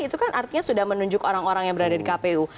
itu kan artinya sudah menunjuk orang orang yang berada di kpu